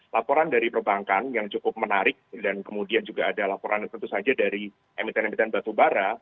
laporan dari perbankan yang cukup menarik dan kemudian juga ada laporan tentu saja dari emiten emiten batubara